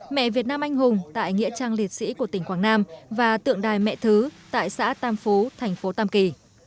mẹ việt nam anh hùng tại nghĩa trang liệt sĩ của tỉnh quảng nam và tượng đài mẹ thứ tại xã tam phú thành phố tam kỳ